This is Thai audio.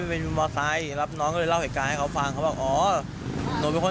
เป็นมอไซค์รับน้องก็เลยเล่าเหตุการณ์ให้เขาฟังเขาบอกอ๋อหนูเป็นคน